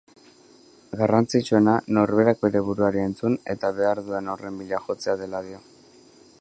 Garrantzitsuena norberak bere buruari entzun eta behar duen horren bila jotzea dela dio.